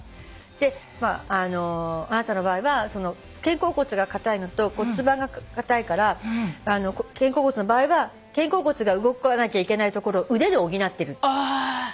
「あなたの場合は肩甲骨が硬いのと骨盤が硬いから肩甲骨の場合は肩甲骨が動かなきゃいけないところを腕で補ってる」